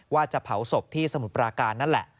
ว่าจะเผาศพที่สมุทรปราการนั่นแหละ